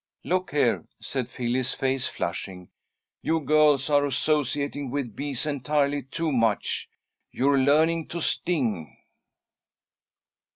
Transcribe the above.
"Look here," said Phil, his face flushing, "you girls are associating with bees entirely too much. You're learning to sting."